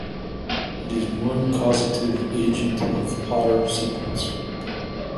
It is one causative agent of Potter sequence.